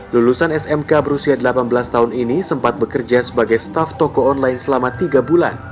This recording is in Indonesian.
lulusan smk berusia delapan belas tahun ini sempat bekerja sebagai staf toko online selama tiga bulan